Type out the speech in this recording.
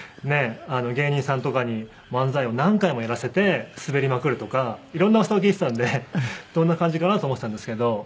芸人さんとかに漫才を何回もやらせてスベりまくるとか色んなうわさを聞いてたんでどんな感じかなと思ってたんですけど。